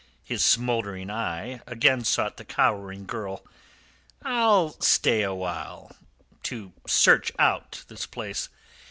His smouldering eye again sought the cowering girl. "I'll stay awhile to search out this place.